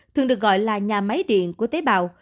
thường được gọi là nhà máy điện của tế bào